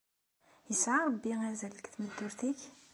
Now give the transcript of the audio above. Yesɛa Ṛebbi azal deg tmeddurt-ik?